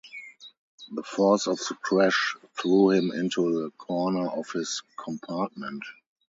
The force of the crash threw him into the corner of his compartment.